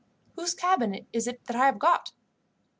Whose cabin is it I have got?"